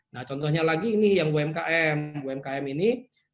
nah contohnya lagi ini yang umkm umkm ini